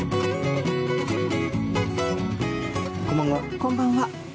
こんばんは。